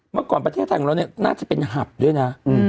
เมื่อก่อนประเทศของเราน่าจะเป็นหับด้วยนะ